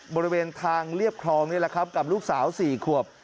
บริเวณทางเรียบคลองนี่แหละครับกับลูกสาว๔ขวบ